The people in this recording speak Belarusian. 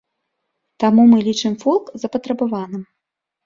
Таму мы лічым фолк запатрабаваным.